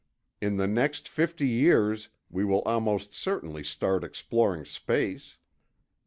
. in the next fifty years we will almost certainly start exploring space